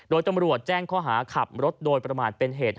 โดยตำรวจแจ้งข้อหาขับรถโดยประมาทเป็นเหตุ